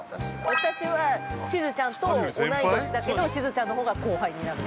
私はしずちゃんと同い年だけどしずちゃんのほうが後輩になる。